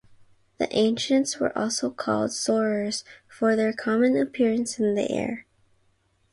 The Ancients were also called "Soarers" for their common appearance in the air.